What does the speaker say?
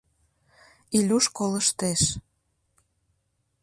Илюш колыштеш.